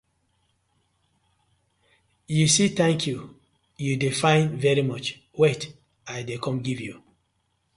You see "thank you", you dey find "very much", wait I dey com giv you.